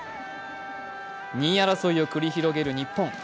２位争いを繰り広げる日本。